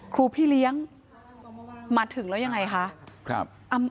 พี่เลี้ยงมาถึงแล้วยังไงคะ